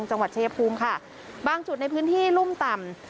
จังหวัดชายภูมิค่ะบางจุดในพื้นที่รุ่มต่ำ